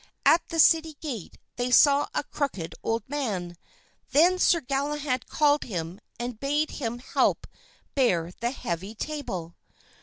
At the city gate they saw a crooked old man. Then Sir Galahad called him and bade him help bear the heavy table.